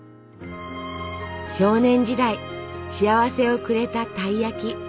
少年時代幸せをくれたたい焼き。